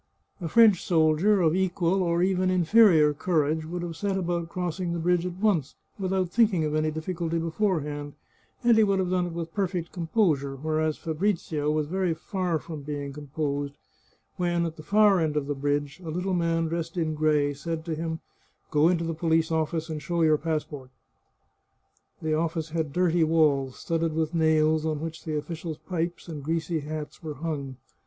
A French soldier of equal or even inferior courage would 201 The Chartreuse of Parma have set about crossing the bridge at once, without think ing of any difficulty beforehand, and he would have done it with perfect composure, whereas Fabrizio was very far from being composed when, at the far end of the bridge, a little man dressed in gray said to him, " Go into the police office and show your passport." The office had dirty walls, studded with nails on which the officials' pipes and greasy hats were hung.